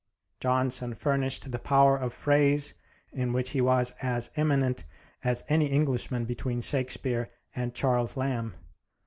Johnson furnished the power of phrase, in which he was as eminent as any Englishman between Shakespeare and Charles Lamb.